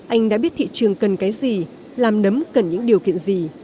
anh đã biết thị trường cần cái gì làm nấm cần những điều kiện gì